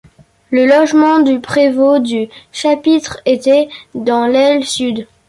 Le logement du prévôt du chapitre était dans l'aile sud.